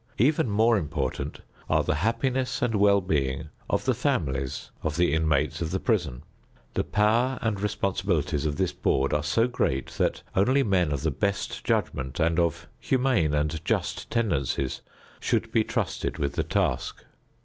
Even more important are the happiness and well being of the families of the inmates of the prison. The power and responsibilities of this board are so great that only men of the best judgment and of humane and just tendencies should be trusted with the task.